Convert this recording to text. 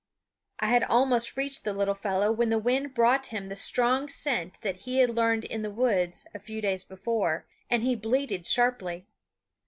I had almost reached the little fellow when the wind brought him the strong scent that he had learned in the woods a few days before, and he bleated sharply.